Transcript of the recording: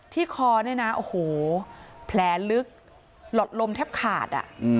คอเนี่ยนะโอ้โหแผลลึกหลอดลมแทบขาด